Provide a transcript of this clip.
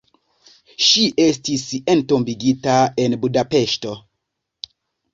Ŝi estis entombigita en Budapeŝto.